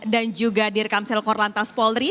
dan juga dir kamsel kor lantas polri